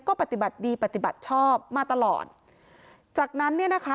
ก็ปฏิบัติดีปฏิบัติชอบมาตลอดจากนั้นเนี่ยนะคะ